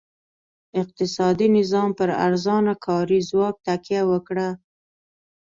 اقتصادي نظام پر ارزانه کاري ځواک تکیه وکړه.